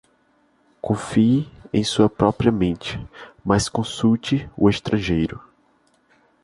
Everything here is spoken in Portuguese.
Confie em sua própria mente, mas consulte o estrangeiro.